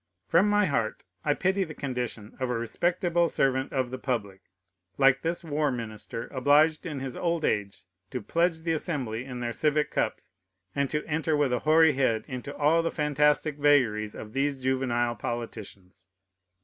From my heart I pity the condition of a respectable servant of the public, like this war minister, obliged in his old age to pledge the Assembly in their civic cups, and to enter with a hoary head into all the fantastic vagaries of these juvenile politicians.